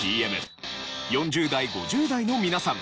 ４０代５０代の皆さん